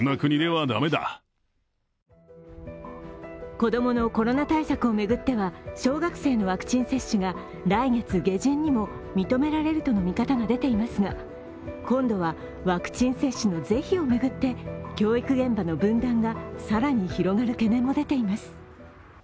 子供のコロナ対策を巡っては小学生のワクチン接種が来月下旬にも認められるとの見方が出ていますが、今度はワクチン接種の是非を巡って、教育現場の分断が更に広がる懸念も出ています。